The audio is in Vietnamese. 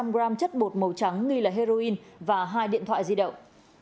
ba trăm linh gram chất bột màu trắng nghi là heroin và hai điện thoại di động